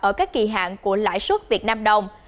ở các kỳ hạn của lãi suất việt nam đồng